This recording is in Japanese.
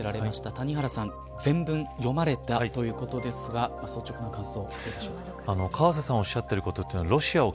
谷原さん全文読まれたということですが率直な感想、どうでしょうか。